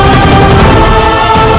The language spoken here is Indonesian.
baik ayahanda prabu